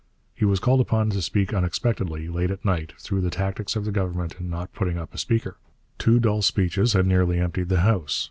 He was called upon to speak unexpectedly, late at night, through the tactics of the Government in not putting up a speaker. Two dull speeches had nearly emptied the House.